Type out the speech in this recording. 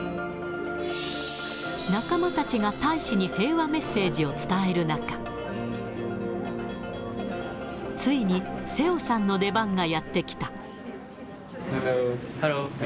仲間たちが大使に平和メッセージを伝える中、ついに瀬尾さんの出番がやって来た。